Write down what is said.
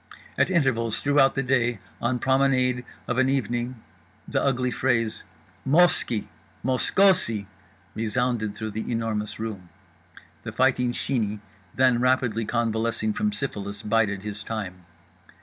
At intervals throughout the day, on promenade, of an evening, the ugly phrase "MOS ki mosKOsi" resounded through The Enormous Room. The Fighting Sheeney, then rapidly convalescing from syphilis, bided his time.